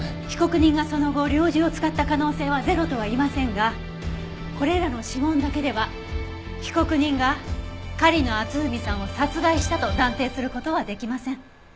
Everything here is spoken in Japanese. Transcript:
被告人がその後猟銃を使った可能性はゼロとは言いませんがこれらの指紋だけでは被告人が狩野篤文さんを殺害したと断定する事はできません。